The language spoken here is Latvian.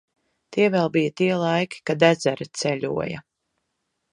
Tie vēl bija tie laiki, kad ezeri ceļoja.